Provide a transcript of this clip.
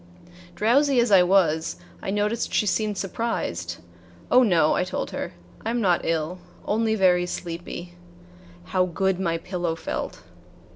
Drowsy as I was, I noticed she seemed surprised. "Oh, no," I told her; "I am not ill, only very sleepy." How good my pillow felt!